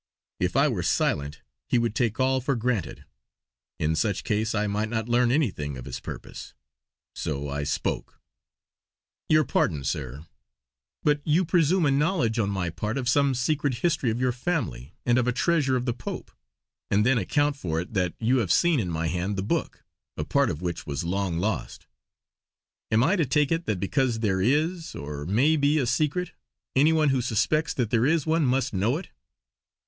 If I were silent he would take all for granted; in such case I might not learn anything of his purpose. So I spoke: "Your pardon, Sir, but you presume a knowledge on my part of some secret history of your family and of a treasure of the Pope; and then account for it that you have seen in my hand the book, a part of which was long lost. Am I to take it that because there is, or may be, a secret, any one who suspects that there is one must know it?"